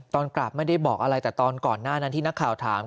ตอนกราบไม่ได้บอกอะไรแต่ตอนก่อนหน้านั้นที่นักข่าวถาม